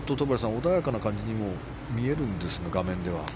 穏やかな感じに見えるんですが画面では。